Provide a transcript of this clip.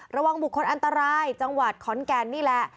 ระวังบุคคลอันตรายจังหวัดขอนแก่นนี่แหละ